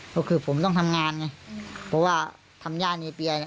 ก็คือผมต้องทำงานไงเพราะว่าทำย่าเนเปียเนี่ย